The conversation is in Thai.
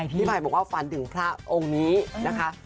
พี่ไผ่บอกว่าฝันถึงพระองค์นี้นะคะ